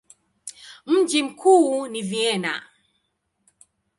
Mji mkuu ni Vienna.